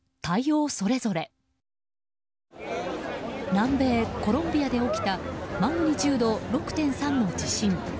南米コロンビアで起きたマグニチュード６．３の地震。